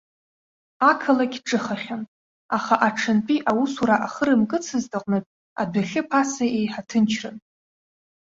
Ақалақь ҿыхахьан, аха аҽынтәи аусура ахы рымкыцызт аҟнытә, адәахьы ԥаса еиҳа ҭынчран.